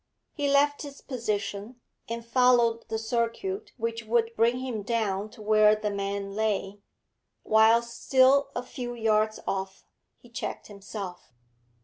He left his position, and followed the circuit which would bring him down to where the man lay. Whilst still a few yards off, he checked himself.